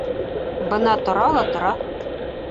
Бына тора ла тора.